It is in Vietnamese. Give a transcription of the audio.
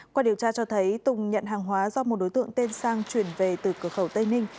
qua điều tra cho thấy tùng nhận hàng hóa do một đối tượng tên sang chuyển về từ cửa khẩu tây ninh